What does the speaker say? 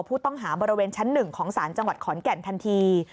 ผู้ต้องหาบริเวณชั้น๑ของศาลจังหวัดขอนแก่นทันที